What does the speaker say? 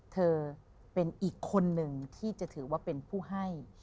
เธอเป็นอีกคนนึงที่จะถือว่าเป็นผู้ให้